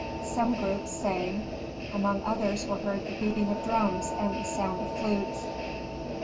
Some groups sang; among others were heard the beating of drums and the sound of flutes.